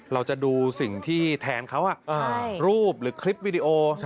เราจะดูสิ่งที่แทนเขารูปหรือคลิปวิดีโอ